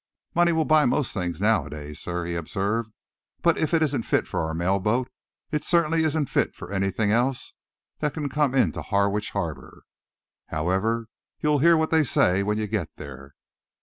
"Money will buy most things, nowadays, sir," he observed, "but if it isn't fit for our mail boat, it certainly isn't fit for anything else that can come into Harwich Harbour. However, you'll hear what they say when you get there."